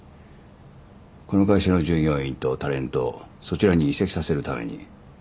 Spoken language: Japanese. この会社の従業員とタレントをそちらに移籍させるために。